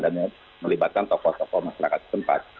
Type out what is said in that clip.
dan melibatkan tokoh tokoh masyarakat tempat